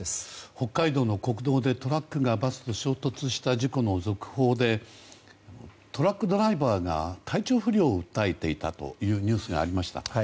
北海道の農道でトラックが事故を起こしたニュースでトラックドライバーが体調不良を訴えていたというニュースがありました。